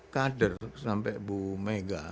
kader sampai bu mega